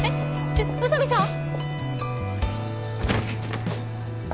ちょ宇佐美さん？